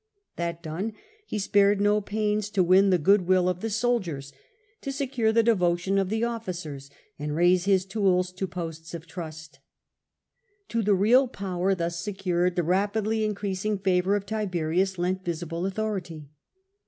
That done, he power and spared no pains to win the goodwill of the soldiers, to secure the devotion of the officers, and raise his tools to posts of trust. To the real power thus secured, the rapidly increasing favour of Tiberius lent visible autho rity.